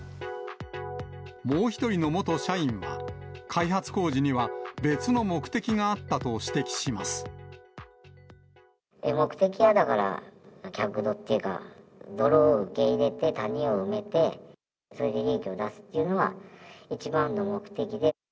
もう１人の元社員は、開発工事に目的はだから、客土っていうか、泥を受け入れて谷を埋めて、それで利益を出すというのが一番の目的で。